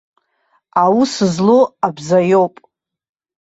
Аус злоу абза иоуп.